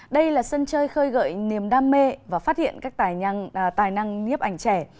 đây là sân chơi khơi gợi niềm đam mê và phát hiện các tài năng nhiếp ảnh trẻ